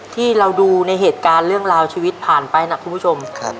ที่เราดูในเหตุการณ์เรื่องราวชีวิตผ่านไปนะคุณผู้ชม